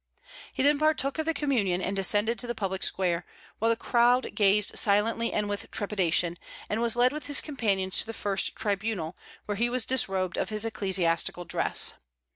He then partook of the communion, and descended to the public square, while the crowd gazed silently and with trepidation, and was led with his companions to the first tribunal, where he was disrobed of his ecclesiastical dress.